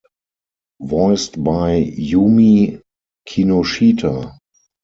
Voiced by Yumi Kinoshita.